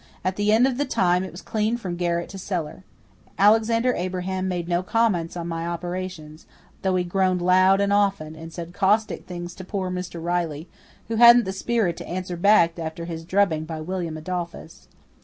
At the end of the time it was clean from garret to cellar. Alexander Abraham made no comments on my operations, though he groaned loud and often, and said caustic things to poor Mr. Riley, who hadn't the spirit to answer back after his drubbing by William Adolphus.